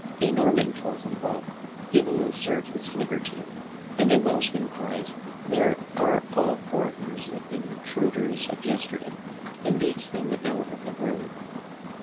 A Norman tells them both, he will assert his liberty; and a Welshman cries, "They are all foreigners and intruders of yesterday," and beats them out of the room.